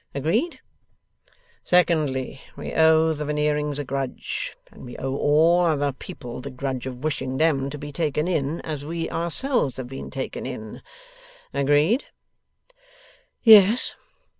Agreed. Secondly, we owe the Veneerings a grudge, and we owe all other people the grudge of wishing them to be taken in, as we ourselves have been taken in. Agreed?' 'Yes.